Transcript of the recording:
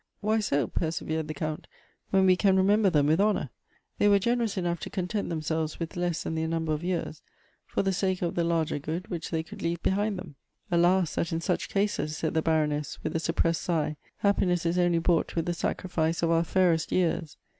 " Why so," persevered the Count, " when we can re member them with honor ? They were generous enough to content themselves with less than their number of years for the sake of the larger good which they could leave behind them." "Alas! that in such cases," said the Baroness, with a suppressed sigh, " happiness is only bought with the sacri fice of our fairest years."